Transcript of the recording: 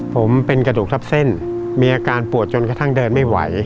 ผมเป็นกระดูกทับเส้นมีอาการปวดจนกระทั่งเดินไม่ไหว